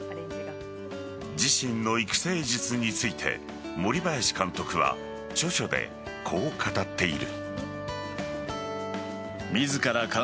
自身の育成術について森林監督は著書でこう語っている。